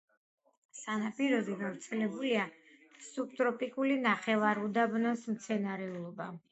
სანაპიროზე გავრცელებულია სუბტროპიკული ნახევარუდაბნოს მცენარეულობა.